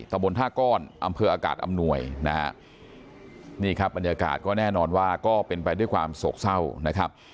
ตะบนท่าก้อนอำเภออากาศอำนวยนะฮะนี่ครับบรรยากาศก็แน่นอนว่าก็เป็นไปด้วยความโศกเศร้านะครับ